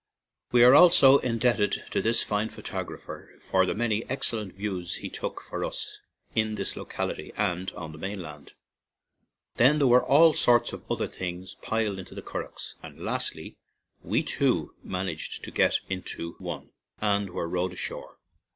(We are also indebted to this fine photographer for the many excellent views he took for us in this locality and on the mainland.) Then there were all sorts of other things piled into the curraghs, and, lastly, we too managed to get into one and were rowed ashore.